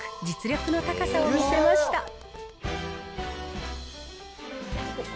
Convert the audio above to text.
実力の高さを見せました。